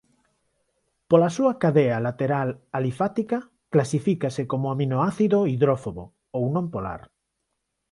Pola súa cadea lateral alifática clasifícase como aminoácido hidrófobo ou non polar.